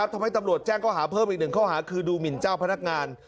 ทำให้ตำรวจแจ้งข้อหาเพิ่มอีกหนึ่งข้อหาคือดูหมินเจ้าพนักงาน